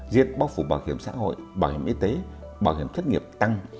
duyên bóc phủ bảo hiểm xã hội bảo hiểm y tế bảo hiểm thất nghiệp tăng